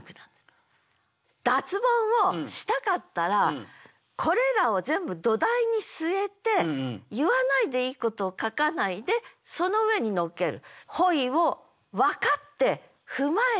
脱ボンをしたかったらこれらを全部土台に据えて言わないでいいことを書かないでその上に乗っける。